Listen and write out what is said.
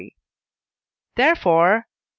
therefore (I.